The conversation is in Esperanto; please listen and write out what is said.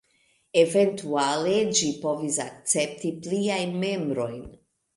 Eventuale ĝi povas akcepti pliajn membrojn.